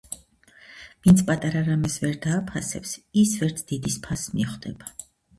ვინც პატარა რამეს ვერ დააფასებს, ის ვერც დიდის ფასს მიხვდება